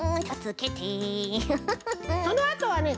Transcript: そのあとはね